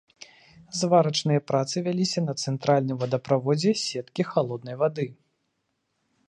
Зварачныя працы вяліся на цэнтральным вадаправодзе сеткі халоднай вады.